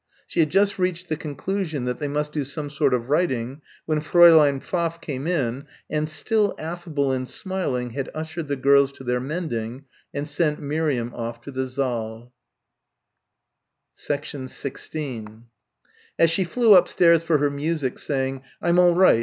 She had just reached the conclusion that they must do some sort of writing when Fräulein Pfaff came, and still affable and smiling had ushered the girls to their mending and sent Miriam off to the saal. 16 As she flew upstairs for her music, saying, "I'm all right.